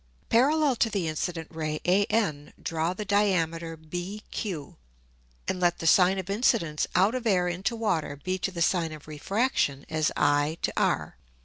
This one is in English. Parallel to the incident Ray AN draw the Diameter BQ, and let the Sine of Incidence out of Air into Water be to the Sine of Refraction as I to R.